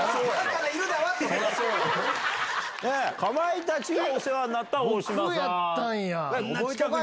かまいたちがお世話になった僕やったんや。